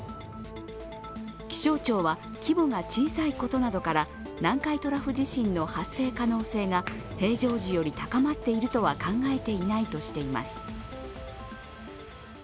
気象庁は規模が小さいことなどから南海トラフ地震の発生可能性が平常時より高まっているとは考えていないとしています。